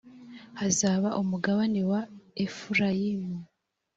hazaba umugabane wa efurayimu